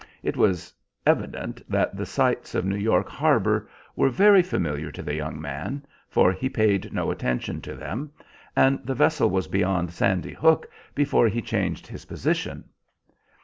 It was evident that the sights of New York harbour were very familiar to the young man, for he paid no attention to them, and the vessel was beyond Sandy Hook before he changed his position.